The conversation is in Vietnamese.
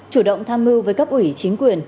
chủ động tham mưu với các ủy chính quyền